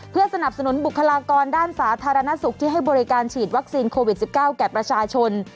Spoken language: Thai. เพื่อสนับสนุนบุคลากรด้านสาธารณสุขที่ให้บริการฉีดวัคซีนโควิด๑๙แก่ประชาชน